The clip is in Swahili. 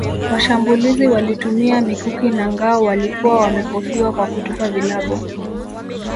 Washambulizi walitumia mikuki na ngao walikuwa wamehofiwa kwa kutupa vilabu